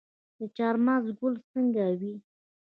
د چهارمغز ګل څنګه وي؟